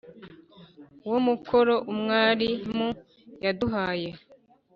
wo mukoro umwarimu yaduhaye.